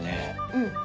うん。